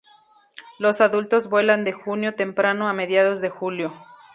Los adultos vuelan de junio temprano a mediados de julio.